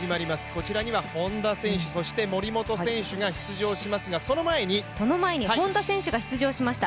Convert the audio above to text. こちらには、本多選手、そして森本選手が出場しますがその前に本多選手が出場しました